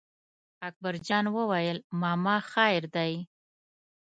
اکبر جان وویل: ماما خیر دی.